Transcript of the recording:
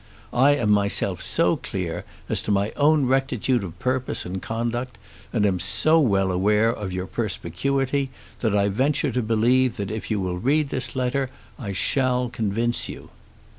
I am myself so clear as to my own rectitude of purpose and conduct, and am so well aware of your perspicuity, that I venture to believe that if you will read this letter I shall convince you.